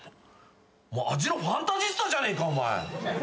味のファンタジスタじゃねえかお前！